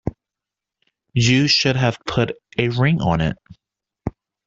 You should have put a ring on it.